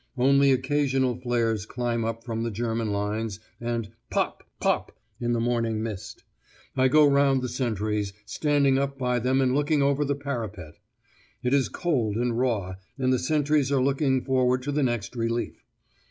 Only occasional flares climb up from the German lines, and 'pop,' 'pop' in the morning mist. I go round the sentries, standing up by them and looking over the parapet. It is cold and raw, and the sentries are looking forward to the next relief.